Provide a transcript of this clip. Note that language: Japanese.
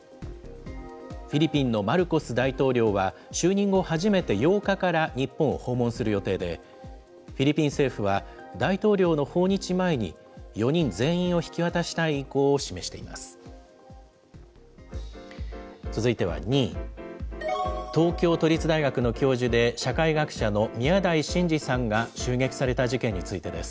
フィリピンのマルコス大統領は就任後、初めて８日から日本を訪問する予定で、フィリピン政府は、大統領の訪日前に４人全員を引き渡したい意向を示しています。